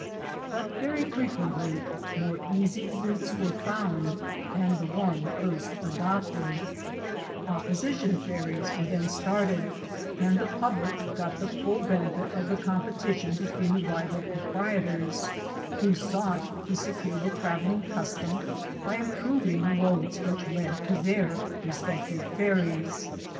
But very frequently more easy routes were found than the one 310 THE GOLD HUNTERS first adopted; opposition ferries were then started, and the public got the full benefit of the competition between the rival proprietors, who sought to secure the traveling custom by improving the roads which led to their respective ferries.